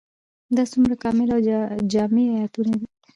دا څومره کامل او جامع آيتونه دي ؟